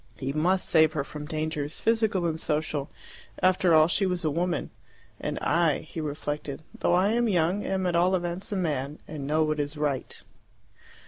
He must save her from dangers, physical and social, for after all she was a woman. "And I," he reflected, "though I am young, am at all events a man, and know what is right."